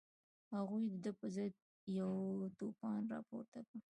هغوی د ده په ضد یو توپان راپورته کړ.